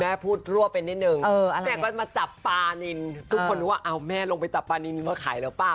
พูดรั่วไปนิดนึงแม่ก็มาจับปลานินทุกคนนึกว่าเอาแม่ลงไปจับปลานินมาขายแล้วเปล่า